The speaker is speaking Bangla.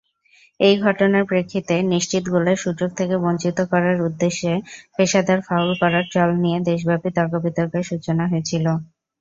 এই ঘটনার প্রেক্ষিতে, নিশ্চিত গোলের সুযোগ থেকে বঞ্চিত করার উদ্দেশ্যে পেশাদার ফাউল করার চল নিয়ে দেশব্যাপী তর্ক-বিতর্কের সূচনা হয়েছিল।